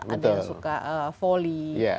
ada yang suka volley